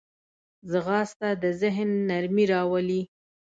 ځغاسته د ذهن نرمي راولي